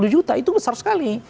dua puluh juta itu besar sekali